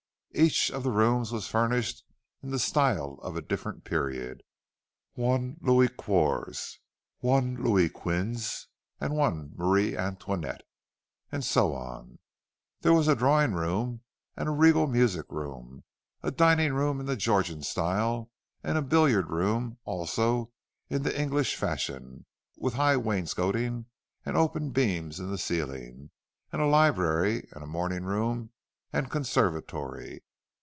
Each of the rooms was furnished in the style of a different period—one Louis Quatorze, one Louis Quinze, one Marie Antoinette, and so on. There was a drawing room and a regal music room; a dining room in the Georgian style, and a billiard room, also in the English fashion, with high wainscoting and open beams in the ceiling; and a library, and a morning room and conservatory.